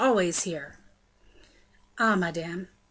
"Always here!" "Ah, madame!"